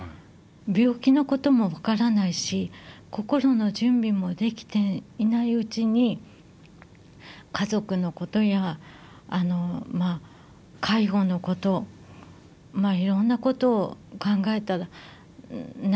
病気のことも分からないし心の準備もできていないうちに家族のことや介護のこといろんなことを考えて悩みました。